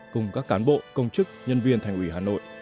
cùng các cán bộ công chức nhân viên thành ủy hà nội